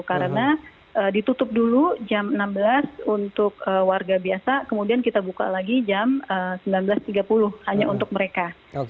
karena ditutup dulu jam enam belas untuk warga biasa kemudian kita buka lagi jam sembilan belas tiga puluh hanya untuk mereka